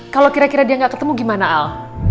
kalau kira kira dia nggak ketemu gimana al